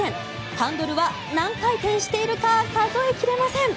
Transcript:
ハンドルは何回転しているか数え切れません。